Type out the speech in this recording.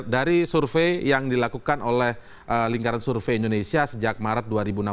dari survei yang dilakukan oleh lingkaran survei indonesia sejak maret dua ribu enam belas